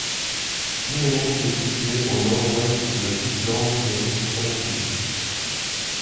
Himeling est situé au nord-ouest de Puttelange-lès-Thionville.